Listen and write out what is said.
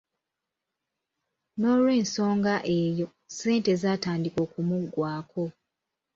N'olw'ensonga eyo, ssente zaatandika okumuggwako.